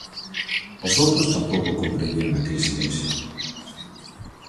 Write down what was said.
Os outros tampouco comprendían aquel silencio.